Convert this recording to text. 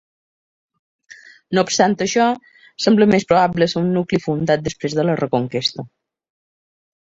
No obstant això, sembla més probable ser un nucli fundat després de la Reconquesta.